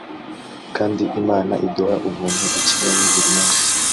Kandi Imana iduha ubuntu dukeneye buri munsi